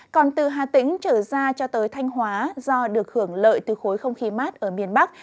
còn từ hà tĩnh trở ra cho tới thanh hóa do được hưởng lợi từ khối không khí mát ở miền bắc